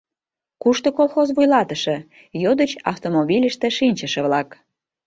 — Кушто колхоз вуйлатыше? — йодыч автомобильыште шинчыше-влак.